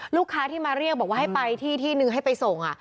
ลูกค้าที่มาเรียกบอกว่าให้ไปที่ที่นึงให้ไปส่ง